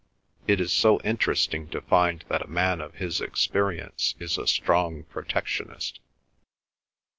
It is so interesting to find that a man of his experience is a strong Protectionist."